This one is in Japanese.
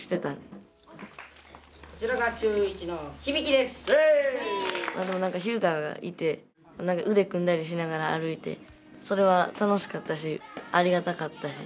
でもひゅうががいて腕組んだりしながら歩いてそれは楽しかったしありがたかったし。